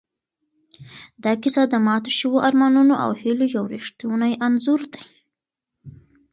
دا کیسه د ماتو شوو ارمانونو او هیلو یو ریښتونی انځور دی.